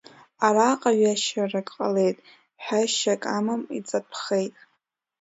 Араҟа ҩашьарак ҟалеит, ҳәашьак амам, иӡатәхеит.